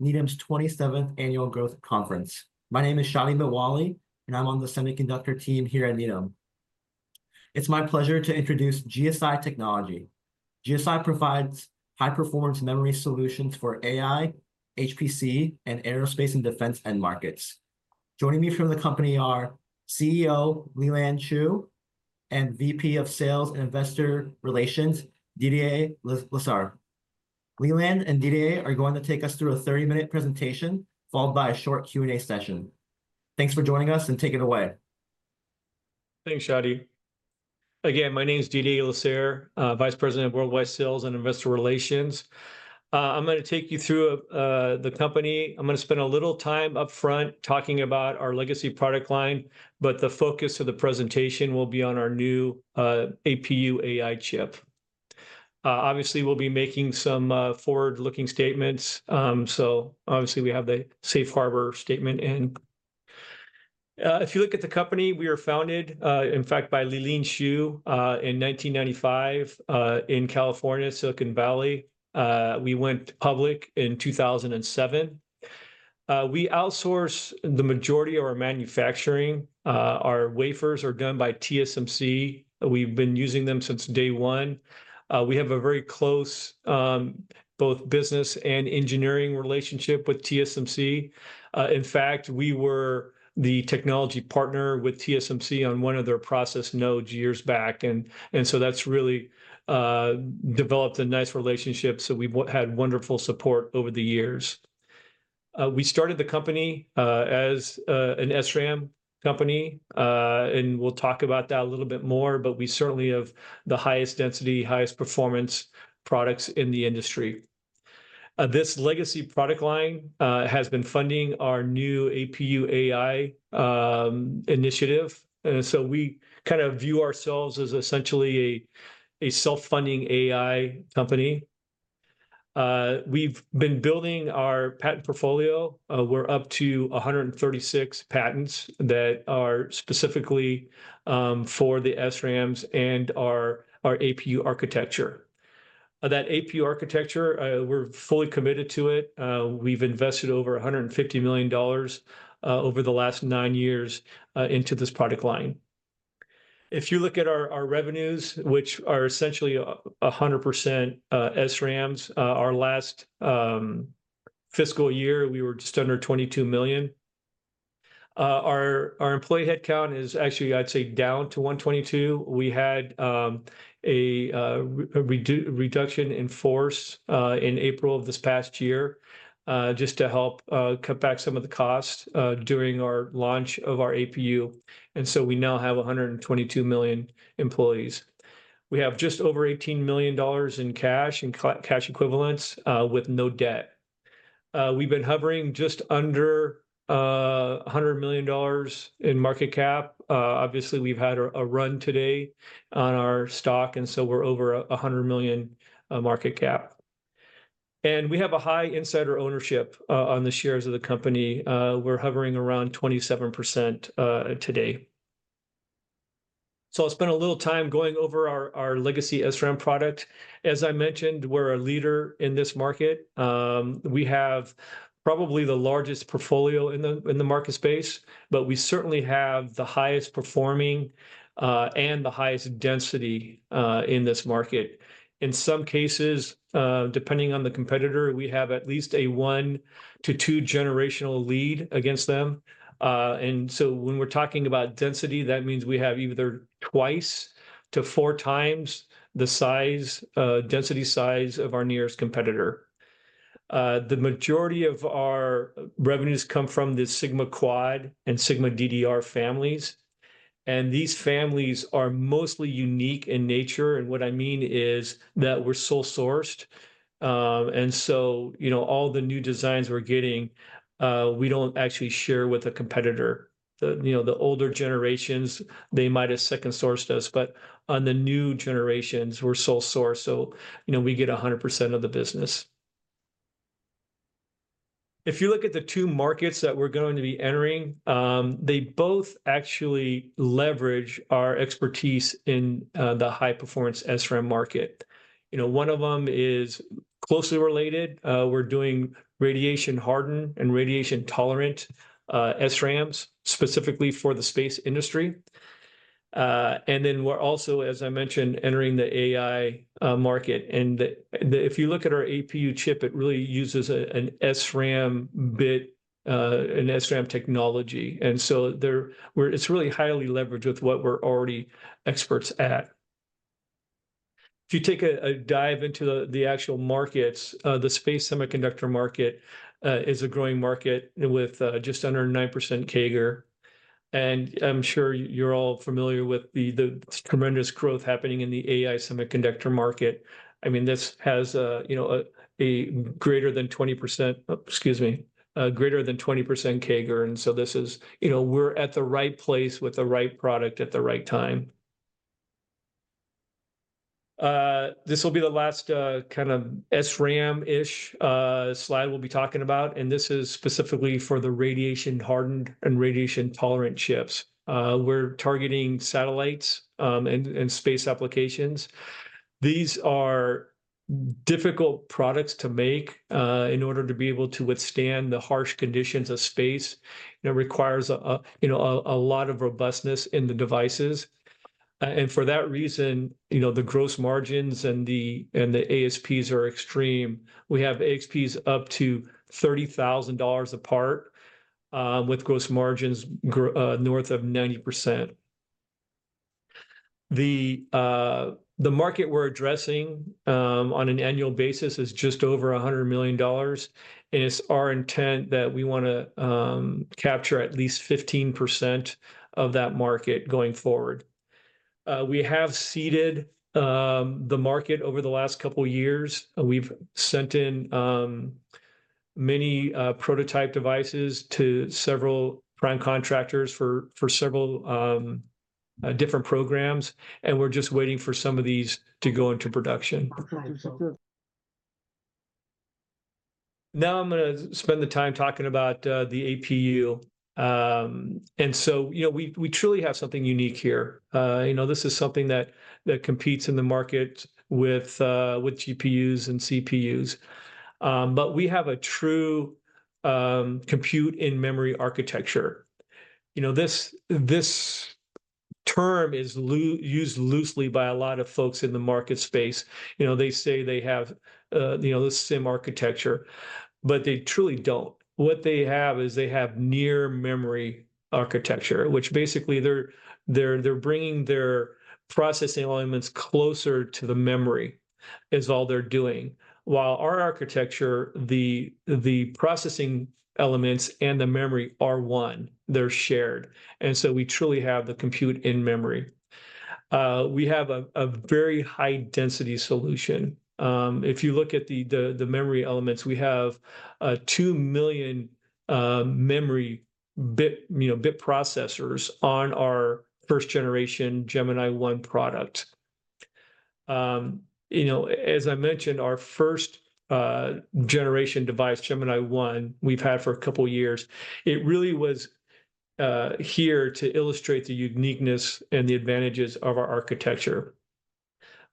Needham's 27th Annual Growth Conference. My name is Shawnee Mbwali, and I'm on the semiconductor team here at Needham. It's my pleasure to introduce GSI Technology. GSI provides high-performance memory solutions for AI, HPC, and aerospace and defense end markets. Joining me from the company are CEO Lee-Lean Shu and VP of Sales and Investor Relations, Didier Lasserre. Lee-Lean and Didier are going to take us through a 30-minute presentation followed by a short Q&A session. Thanks for joining us, and take it away. Thanks, Shawnee. Again, my name is Didier Lasserre, Vice President of Worldwide Sales and Investor Relations. I'm going to take you through the company. I'm going to spend a little time upfront talking about our legacy product line, but the focus of the presentation will be on our new APU AI chip. Obviously, we'll be making some forward-looking statements. So, obviously, we have the Safe Harbor statement in. If you look at the company, we were founded, in fact, by Lee-Lean Shu in 1995 in California, Silicon Valley. We went public in 2007. We outsource the majority of our manufacturing. Our wafers are done by TSMC. We've been using them since day one. We have a very close both business and engineering relationship with TSMC. In fact, we were the technology partner with TSMC on one of their process nodes years back. And so that's really developed a nice relationship. So we've had wonderful support over the years. We started the company as an SRAM company, and we'll talk about that a little bit more, but we certainly have the highest density, highest performance products in the industry. This legacy product line has been funding our new APU AI initiative. And so we kind of view ourselves as essentially a self-funding AI company. We've been building our patent portfolio. We're up to 136 patents that are specifically for the SRAMs and our APU architecture. That APU architecture, we're fully committed to it. We've invested over $150 million over the last nine years into this product line. If you look at our revenues, which are essentially 100% SRAMs, our last fiscal year, we were just under $22 million. Our employee headcount is actually, I'd say, down to 122. We had a reduction in force in April of this past year just to help cut back some of the cost during our launch of our APU, and so we now have 122 employees. We have just over $18 million in cash and cash equivalents with no debt. We've been hovering just under $100 million in market cap. Obviously, we've had a run today on our stock, and so we're over $100 million market cap. We have a high insider ownership on the shares of the company. We're hovering around 27% today. I'll spend a little time going over our legacy SRAM product. As I mentioned, we're a leader in this market. We have probably the largest portfolio in the market space, but we certainly have the highest performing and the highest density in this market. In some cases, depending on the competitor, we have at least a one- to two-generational lead against them. And so when we're talking about density, that means we have either twice to four times the density size of our nearest competitor. The majority of our revenues come from the Sigma Quad and Sigma DDR families. And these families are mostly unique in nature. And what I mean is that we're sole-sourced. And so all the new designs we're getting, we don't actually share with a competitor. The older generations, they might have second-sourced us, but on the new generations, we're sole-sourced. So we get 100% of the business. If you look at the two markets that we're going to be entering, they both actually leverage our expertise in the high-performance SRAM market. One of them is closely related. We're doing radiation-hardened and radiation-tolerant SRAMs, specifically for the space industry. And then we're also, as I mentioned, entering the AI market. And if you look at our APU chip, it really uses an SRAM bit, an SRAM technology. And so it's really highly leveraged with what we're already experts at. If you take a dive into the actual markets, the space semiconductor market is a growing market with just under 9% CAGR. And I'm sure you're all familiar with the tremendous growth happening in the AI semiconductor market. I mean, this has a greater than 20%, excuse me, greater than 20% CAGR. And so this is, we're at the right place with the right product at the right time. This will be the last kind of SRAM-ish slide we'll be talking about. And this is specifically for the radiation-hardened and radiation-tolerant chips. We're targeting satellites and space applications. These are difficult products to make in order to be able to withstand the harsh conditions of space. It requires a lot of robustness in the devices. And for that reason, the gross margins and the ASPs are extreme. We have ASPs up to $30,000 a part with gross margins north of 90%. The market we're addressing on an annual basis is just over $100 million. And it's our intent that we want to capture at least 15% of that market going forward. We have seeded the market over the last couple of years. We've sent in many prototype devices to several prime contractors for several different programs. And we're just waiting for some of these to go into production. Now I'm going to spend the time talking about the APU. And so we truly have something unique here. This is something that competes in the market with GPUs and CPUs. But we have a true compute-in-memory architecture. This term is used loosely by a lot of folks in the market space. They say they have this CIM architecture, but they truly don't. What they have is they have near-memory architecture, which basically they're bringing their processing elements closer to the memory is all they're doing. While our architecture, the processing elements and the memory are one. They're shared. And so we truly have the compute-in-memory. We have a very high-density solution. If you look at the memory elements, we have two million memory bit processors on our first-generation Gemini-I product. As I mentioned, our first-generation device, Gemini-I, we've had for a couple of years. It really was here to illustrate the uniqueness and the advantages of our architecture.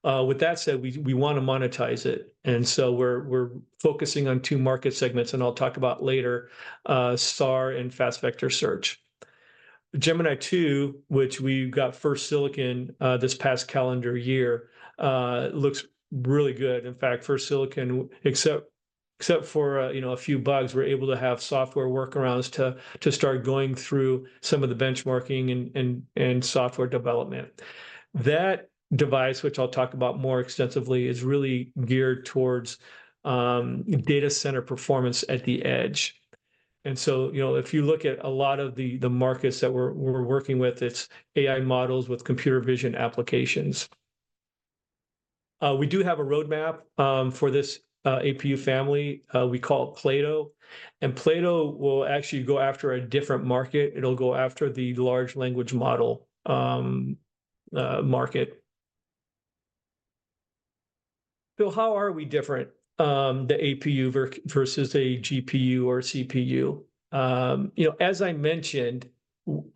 With that said, we want to monetize it. We're focusing on two market segments, and I'll talk about later, SAR and fast vector search. Gemini-II, which we got first silicon this past calendar year, looks really good. In fact, first silicon, except for a few bugs, we're able to have software workarounds to start going through some of the benchmarking and software development. That device, which I'll talk about more extensively, is really geared towards data center performance at the edge. And so if you look at a lot of the markets that we're working with, it's AI models with computer vision applications. We do have a roadmap for this APU family. We call it Plato. And Plato will actually go after a different market. It'll go after the large language model market. So how are we different, the APU versus a GPU or CPU? As I mentioned,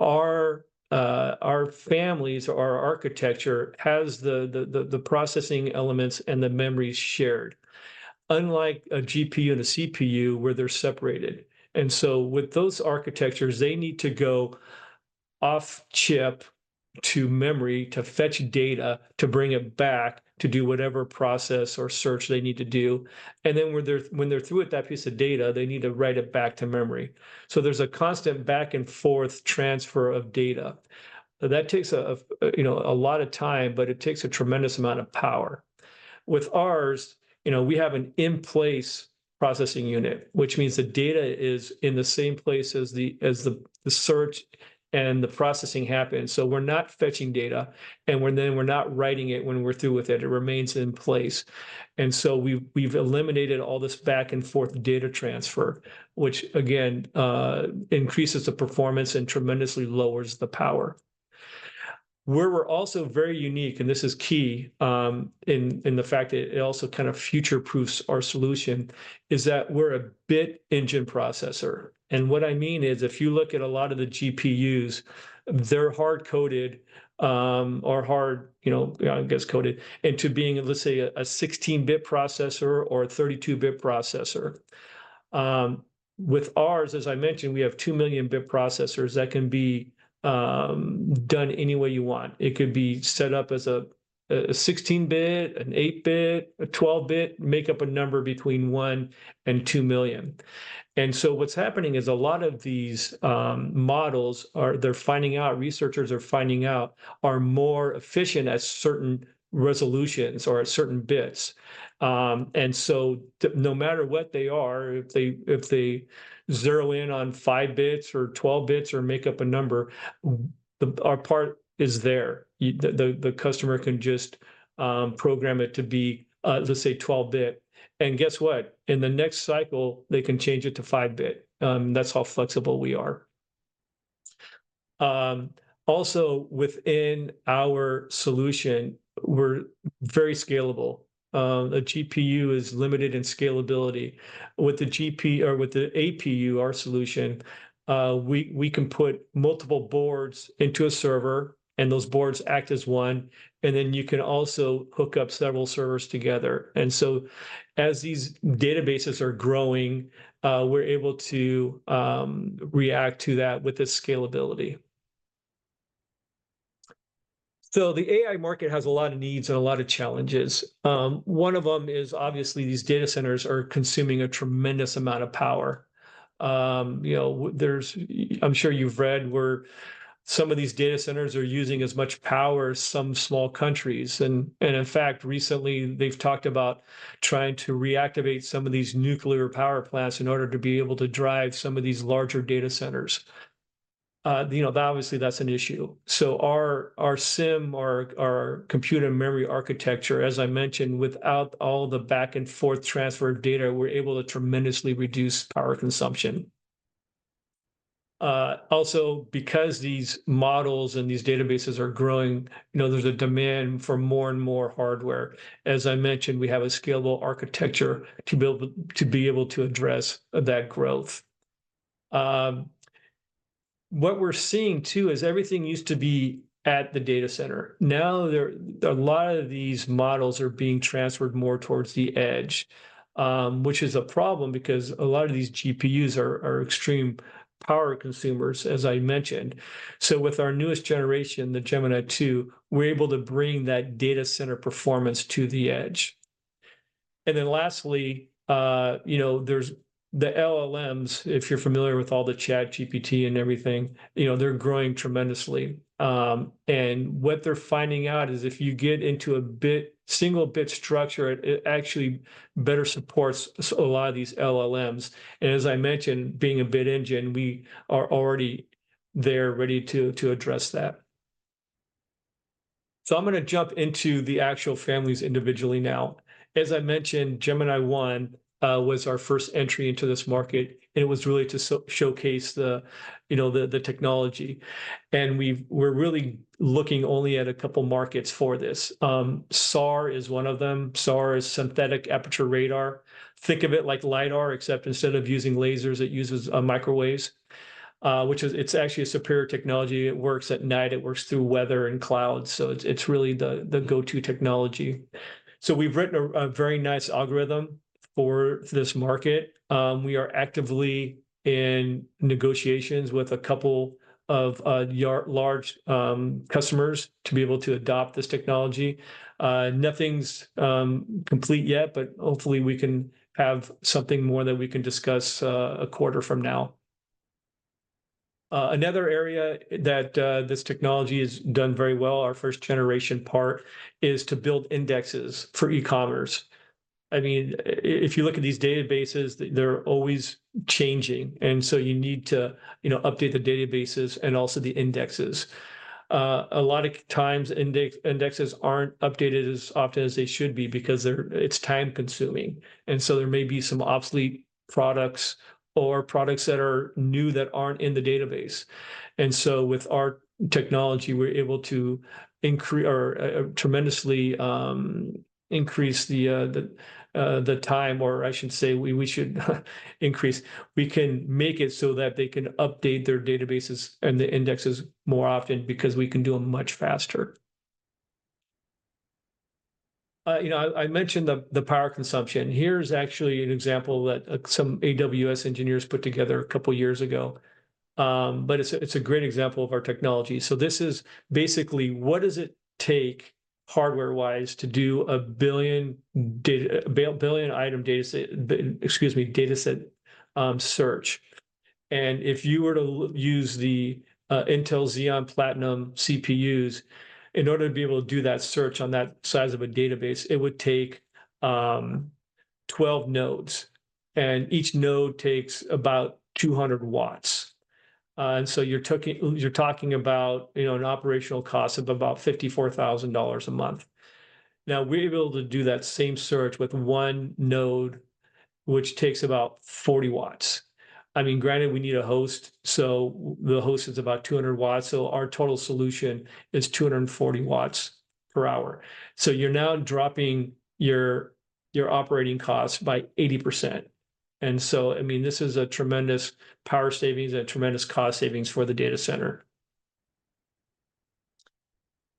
our architecture has the processing elements and the memory shared, unlike a GPU and a CPU where they're separated, and so with those architectures, they need to go off-chip to memory to fetch data, to bring it back, to do whatever process or search they need to do, and then when they're through with that piece of data, they need to write it back to memory, so there's a constant back-and-forth transfer of data. That takes a lot of time, but it takes a tremendous amount of power. With ours, we have an in-place processing unit, which means the data is in the same place as the search and the processing happens, so we're not fetching data, and then we're not writing it when we're through with it. It remains in place. We've eliminated all this back-and-forth data transfer, which, again, increases the performance and tremendously lowers the power. Where we're also very unique, and this is key in the fact that it also kind of future-proofs our solution, is that we're a bit engine processor. What I mean is if you look at a lot of the GPUs, they're hard-coded or hard, I guess, coded into being, let's say, a 16-bit processor or a 32-bit processor. With ours, as I mentioned, we have two million bit processors that can be done any way you want. It could be set up as a 16-bit, an 8-bit, a 12-bit, make up a number between one and two million. What's happening is a lot of these models, they're finding out, researchers are finding out, are more efficient at certain resolutions or at certain bits. No matter what they are, if they zero in on five bits or 12 bits or make up a number, our part is there. The customer can just program it to be, let's say, 12-bit. Guess what? In the next cycle, they can change it to five-bit. That's how flexible we are. Also, within our solution, we're very scalable. The GPU is limited in scalability. With the APU, our solution, we can put multiple boards into a server, and those boards act as one. You can also hook up several servers together. As these databases are growing, we're able to react to that with this scalability. The AI market has a lot of needs and a lot of challenges. One of them is, obviously, these data centers are consuming a tremendous amount of power. I'm sure you've read where some of these data centers are using as much power as some small countries. And in fact, recently, they've talked about trying to reactivate some of these nuclear power plants in order to be able to drive some of these larger data centers. Obviously, that's an issue. So our CIM, our compute-in-memory architecture, as I mentioned, without all the back-and-forth transfer of data, we're able to tremendously reduce power consumption. Also, because these models and these databases are growing, there's a demand for more and more hardware. As I mentioned, we have a scalable architecture to be able to address that growth. What we're seeing, too, is everything used to be at the data center. Now, a lot of these models are being transferred more towards the edge, which is a problem because a lot of these GPUs are extreme power consumers, as I mentioned. So with our newest generation, the Gemini-II, we're able to bring that data center performance to the edge. And then lastly, there's the LLMs. If you're familiar with all the ChatGPT and everything, they're growing tremendously. And what they're finding out is if you get into a single-bit structure, it actually better supports a lot of these LLMs. And as I mentioned, being a bit engine, we are already there ready to address that. So I'm going to jump into the actual families individually now. As I mentioned, Gemini-I was our first entry into this market, and it was really to showcase the technology. And we're really looking only at a couple of markets for this. SAR is one of them. SAR is synthetic aperture radar. Think of it like LiDAR, except instead of using lasers, it uses microwaves, which is actually a superior technology. It works at night. It works through weather and clouds. So it's really the go-to technology. So we've written a very nice algorithm for this market. We are actively in negotiations with a couple of large customers to be able to adopt this technology. Nothing's complete yet, but hopefully, we can have something more that we can discuss a quarter from now. Another area that this technology has done very well, our first-generation part, is to build indexes for e-commerce. I mean, if you look at these databases, they're always changing. And so you need to update the databases and also the indexes. A lot of times, indexes aren't updated as often as they should be because it's time-consuming. There may be some obsolete products or products that are new that aren't in the database. With our technology, we're able to tremendously increase the time, or I should say we should increase. We can make it so that they can update their databases and the indexes more often because we can do them much faster. I mentioned the power consumption. Here's actually an example that some AWS engineers put together a couple of years ago. But it's a great example of our technology. This is basically what it takes hardware-wise to do a billion-item search? If you were to use the Intel Xeon Platinum CPUs, in order to be able to do that search on that size of a database, it would take 12 nodes. Each node takes about 200 watts. And so you're talking about an operational cost of about $54,000 a month. Now, we're able to do that same search with one node, which takes about 40 watts. I mean, granted, we need a host. So the host is about 200 watts. So our total solution is 240 watts per hour. So you're now dropping your operating costs by 80%. And so, I mean, this is a tremendous power savings and tremendous cost savings for the data center.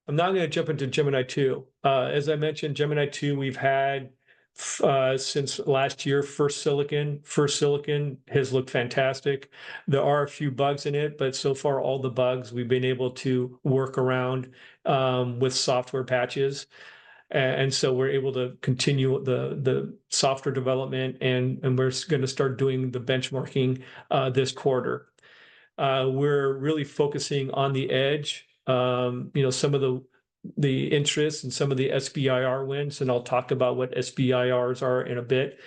I'm now going to jump into Gemini-II. As I mentioned, Gemini-II, we've had since last year, first silicon. First silicon has looked fantastic. There are a few bugs in it, but so far, all the bugs we've been able to work around with software patches. And so we're able to continue the software development, and we're going to start doing the benchmarking this quarter. We're really focusing on the edge. Some of the interests and some of the SBIR wins, and I'll talk about what SBIRs are in a bit.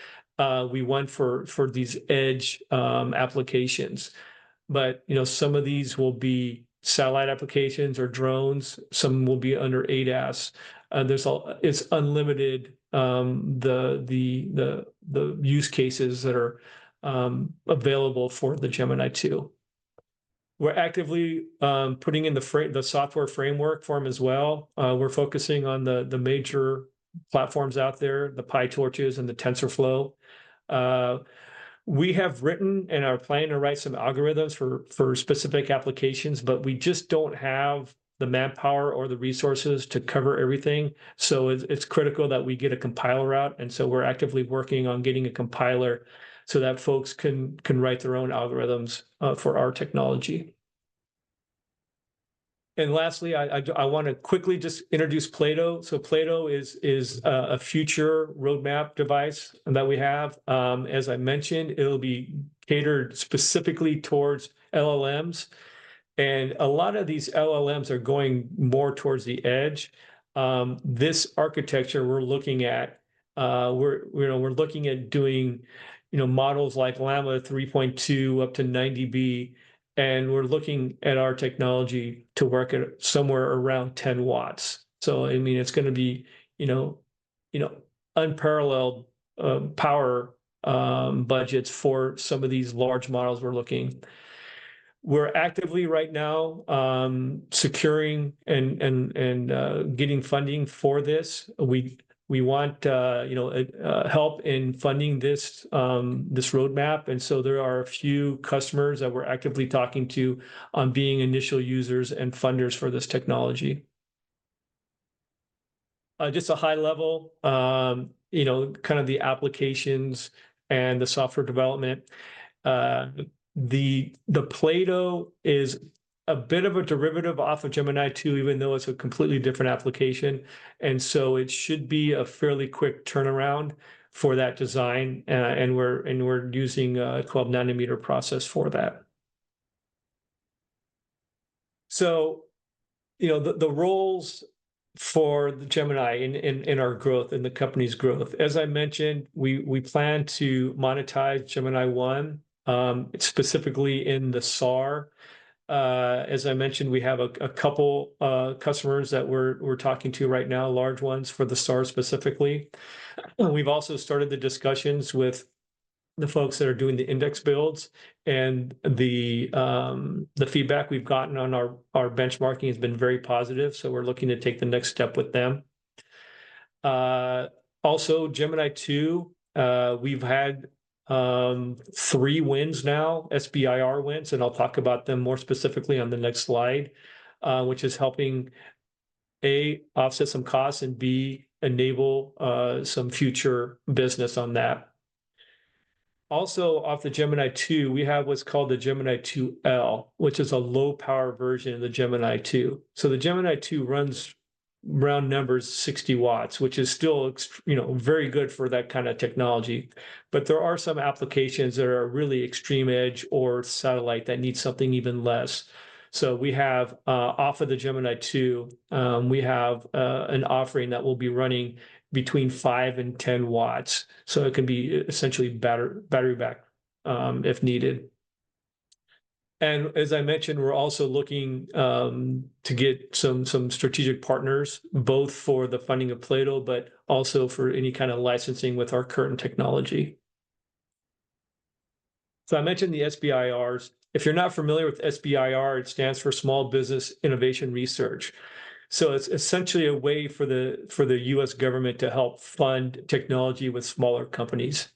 We won for these edge applications. But some of these will be satellite applications or drones. Some will be under ADAS. It's unlimited the use cases that are available for the Gemini-II. We're actively putting in the software framework for them as well. We're focusing on the major platforms out there, the PyTorch and the TensorFlow. We have written and are planning to write some algorithms for specific applications, but we just don't have the manpower or the resources to cover everything. So it's critical that we get a compiler out. And so we're actively working on getting a compiler so that folks can write their own algorithms for our technology. And lastly, I want to quickly just introduce Plato. So Plato is a future roadmap device that we have. As I mentioned, it'll be catered specifically towards LLMs. And a lot of these LLMs are going more towards the edge. This architecture we're looking at, we're looking at doing models like Llama 3.2 up to 90B. And we're looking at our technology to work at somewhere around 10 watts. So, I mean, it's going to be unparalleled power budgets for some of these large models we're looking. We're actively right now securing and getting funding for this. We want help in funding this roadmap. And so there are a few customers that we're actively talking to on being initial users and funders for this technology. Just a high level, kind of the applications and the software development. The Plato is a bit of a derivative off of Gemini-II, even though it's a completely different application. And so it should be a fairly quick turnaround for that design. And we're using a 12-nanometer process for that. So the roles for the Gemini in our growth and the company's growth, as I mentioned, we plan to monetize Gemini-I specifically in the SAR. As I mentioned, we have a couple of customers that we're talking to right now, large ones for the SAR specifically. We've also started the discussions with the folks that are doing the index builds. And the feedback we've gotten on our benchmarking has been very positive. So we're looking to take the next step with them. Also, Gemini-II, we've had three wins now, SBIR wins. And I'll talk about them more specifically on the next slide, which is helping, A, offset some costs and, B, enable some future business on that. Also, off the Gemini-II, we have what's called the Gemini-II L, which is a low-power version of the Gemini-II. So the Gemini-II runs around 60 watts, which is still very good for that kind of technology. But there are some applications that are really extreme edge or satellite that need something even less. We have, off of the Gemini-II, an offering that will be running between 5 and 10 watts. It can be essentially battery-backed if needed. As I mentioned, we're also looking to get some strategic partners, both for the funding of Plato, but also for any kind of licensing with our current technology. I mentioned the SBIRs. If you're not familiar with SBIR, it stands for Small Business Innovation Research. It's essentially a way for the U.S. government to help fund technology with smaller companies.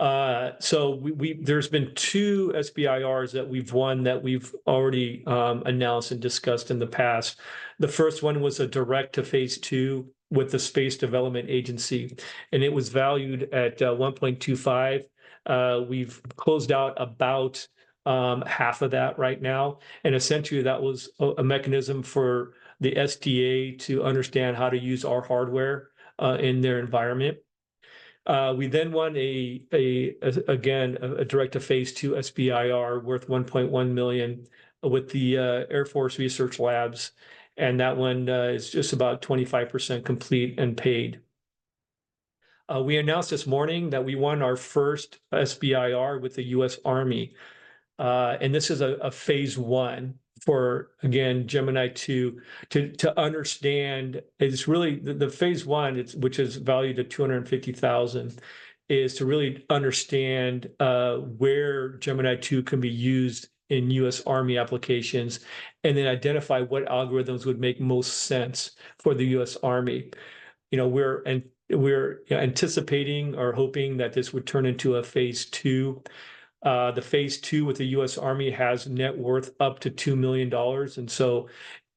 So there's been two SBIRs that we've won that we've already announced and discussed in the past. The first one was a direct-to-phase two with the Space Development Agency. And it was valued at $1.25 million. We've closed out about half of that right now. And essentially, that was a mechanism for the SDA to understand how to use our hardware in their environment. We then won, again, a direct-to-phase two SBIR worth $1.1 million with the Air Force Research Labs. And that one is just about 25% complete and paid. We announced this morning that we won our first SBIR with the U.S. Army. And this is a phase one for, again, Gemini-II to understand. It's really the phase one, which is valued at $250,000, is to really understand where Gemini-II can be used in U.S. Army applications and then identify what algorithms would make most sense for the U.S. Army. We're anticipating or hoping that this would turn into a phase two. The phase two with the U.S. Army has net worth up to $2 million, and so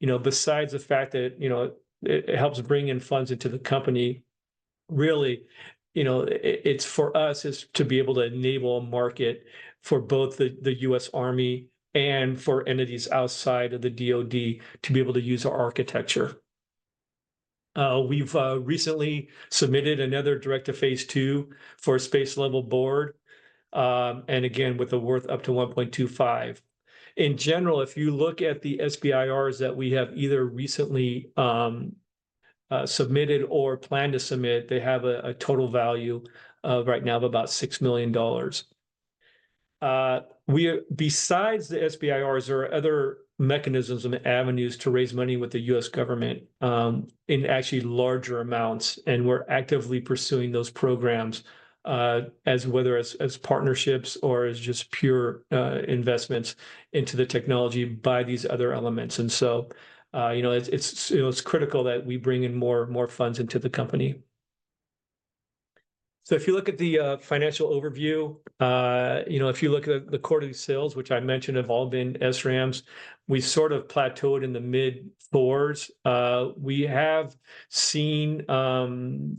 besides the fact that it helps bring in funds into the company, really, it's for us to be able to enable a market for both the U.S. Army and for entities outside of the DOD to be able to use our architecture. We've recently submitted another direct-to-phase two for a space-level board, and again, with a worth up to $1.25 million. In general, if you look at the SBIRs that we have either recently submitted or plan to submit, they have a total value right now of about $6 million. Besides the SBIRs, there are other mechanisms and avenues to raise money with the U.S. Government in actually larger amounts, and we're actively pursuing those programs as whether as partnerships or as just pure investments into the technology by these other elements, and so it's critical that we bring in more funds into the company, so if you look at the financial overview, if you look at the quarterly sales, which I mentioned have all been SRAMs, we sort of plateaued in the mid-fours. We have seen some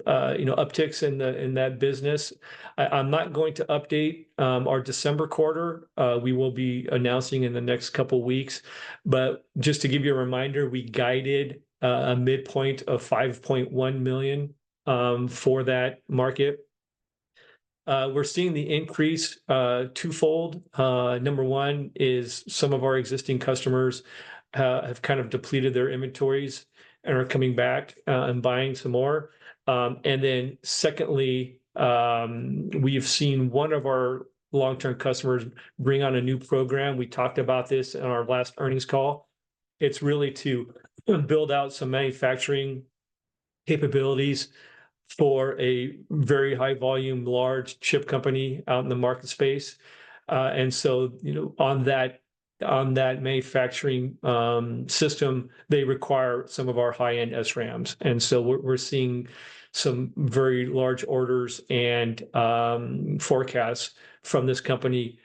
upticks in that business. I'm not going to update our December quarter. We will be announcing in the next couple of weeks, but just to give you a reminder, we guided a midpoint of $5.1 million for that market. We're seeing the increase twofold. Number one is some of our existing customers have kind of depleted their inventories and are coming back and buying some more. Then secondly, we have seen one of our long-term customers bring on a new program. We talked about this in our last earnings call. It's really to build out some manufacturing capabilities for a very high-volume, large chip company out in the market space. And so on that manufacturing system, they require some of our high-end SRAMs. And so we're seeing some very large orders and forecasts from this company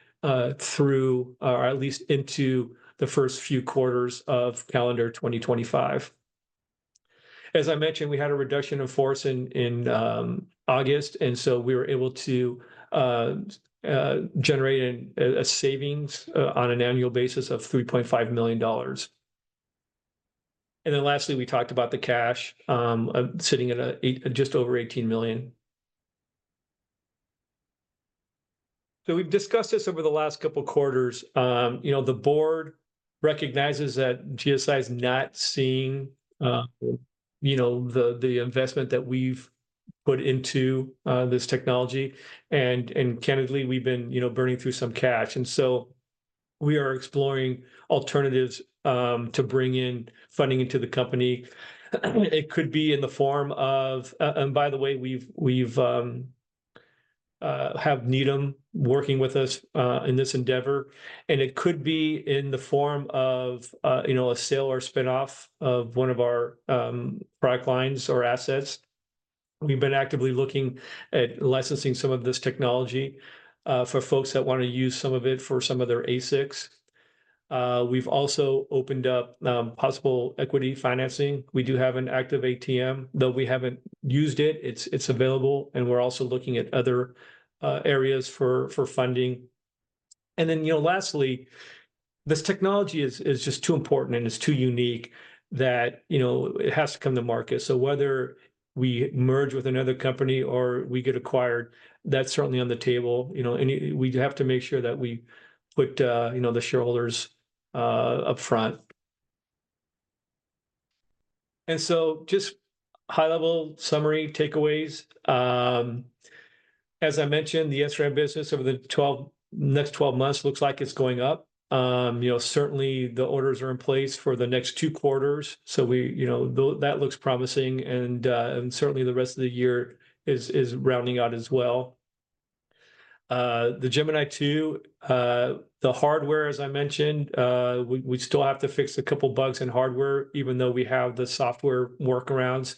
through or at least into the first few quarters of calendar 2025. As I mentioned, we had a reduction in force in August. And so we were able to generate a savings on an annual basis of $3.5 million. And then lastly, we talked about the cash sitting at just over $18 million. So we've discussed this over the last couple of quarters. The board recognizes that GSI is not seeing the investment that we've put into this technology. And candidly, we've been burning through some cash. And so we are exploring alternatives to bring in funding into the company. It could be in the form of, and by the way, we have Needham working with us in this endeavor. And it could be in the form of a sale or spinoff of one of our product lines or assets. We've been actively looking at licensing some of this technology for folks that want to use some of it for some of their ASICs. We've also opened up possible equity financing. We do have an active ATM, though we haven't used it. It's available. And we're also looking at other areas for funding. And then lastly, this technology is just too important and it's too unique that it has to come to market. So whether we merge with another company or we get acquired, that's certainly on the table. We have to make sure that we put the shareholders upfront. And so just high-level summary takeaways. As I mentioned, the SRAM business over the next 12 months looks like it's going up. Certainly, the orders are in place for the next two quarters. So that looks promising. And certainly, the rest of the year is rounding out as well. The Gemini-II, the hardware, as I mentioned, we still have to fix a couple of bugs in hardware, even though we have the software workarounds.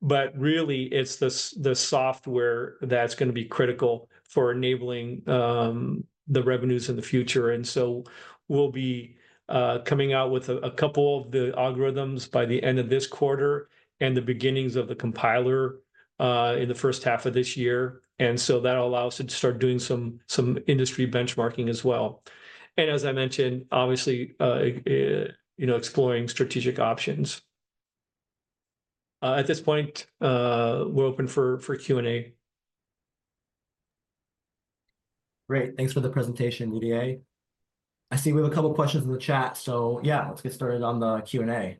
But really, it's the software that's going to be critical for enabling the revenues in the future. And so we'll be coming out with a couple of the algorithms by the end of this quarter and the beginnings of the compiler in the first half of this year. And so that allows us to start doing some industry benchmarking as well. and as I mentioned, obviously, exploring strategic options. At this point, we're open for Q&A. Great. Thanks for the presentation, Didier. I see we have a couple of questions in the chat. So yeah, let's get started on the Q&A.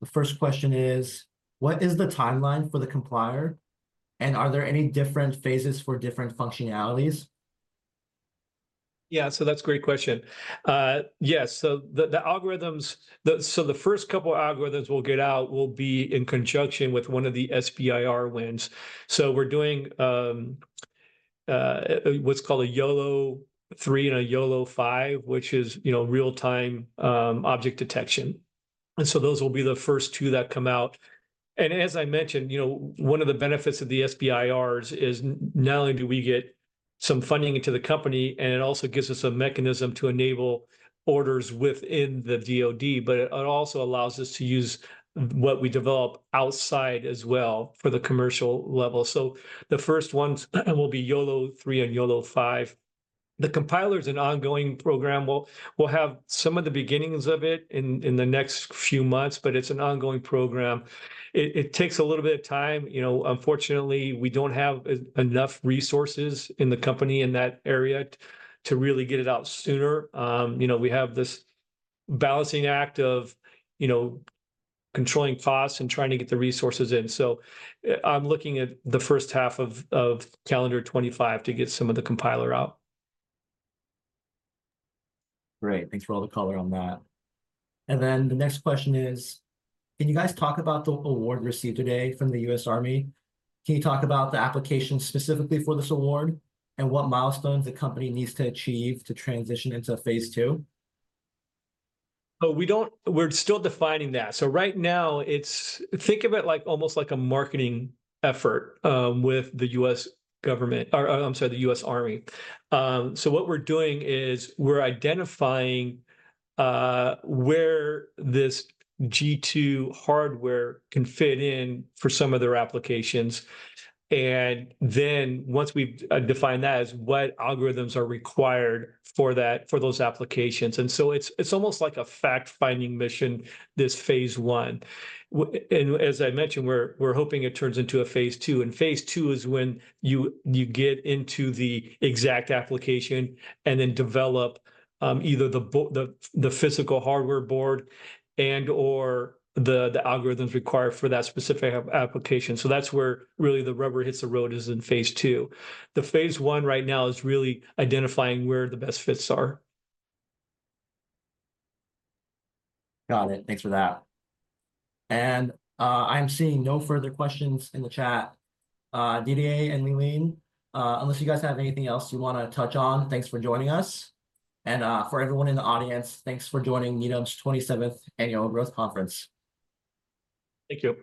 The first question is, what is the timeline for the compiler? And are there any different phases for different functionalities? Yeah, so that's a great question. Yes. So the first couple of algorithms we'll get out will be in conjunction with one of the SBIR wins. So we're doing what's called a YOLOv3 and a YOLOv5, which is real-time object detection. And so those will be the first two that come out. And as I mentioned, one of the benefits of the SBIRs is not only do we get some funding into the company, and it also gives us a mechanism to enable orders within the DOD, but it also allows us to use what we develop outside as well for the commercial level. So the first ones will be YOLOv3 and YOLOv5. The compiler is an ongoing program. We'll have some of the beginnings of it in the next few months, but it's an ongoing program. It takes a little bit of time. Unfortunately, we don't have enough resources in the company in that area to really get it out sooner. We have this balancing act of controlling costs and trying to get the resources in. So I'm looking at the first half of calendar 2025 to get some of the compiler out. Great. Thanks for all the color on that. And then the next question is, can you guys talk about the award received today from the U.S. Army? Can you talk about the application specifically for this award and what milestones the company needs to achieve to transition into phase two? So we're still defining that. So right now, think of it almost like a marketing effort with the U.S. government or, I'm sorry, the U.S. Army. So what we're doing is we're identifying where this G2 hardware can fit in for some of their applications. And then once we've defined that, is what algorithms are required for those applications. And so it's almost like a fact-finding mission, this phase one. And as I mentioned, we're hoping it turns into a phase two. And phase two is when you get into the exact application and then develop either the physical hardware board and/or the algorithms required for that specific application. So that's where really the rubber hits the road is in phase two. The phase one right now is really identifying where the best fits are. Got it. Thanks for that, and I'm seeing no further questions in the chat. Didier and Lee-Lean, unless you guys have anything else you want to touch on, thanks for joining us, and for everyone in the audience, thanks for joining Needham's 27th Annual Growth Conference. Thank you.